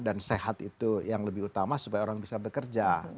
dan sehat itu yang lebih utama supaya orang bisa bekerja